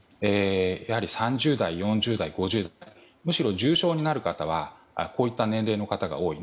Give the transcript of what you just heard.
やはり３０代、４０代、５０代むしろ重症になる方はこういった年齢の方が多い。